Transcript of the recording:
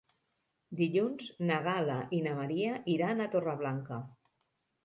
Dilluns na Gal·la i na Maria iran a Torreblanca.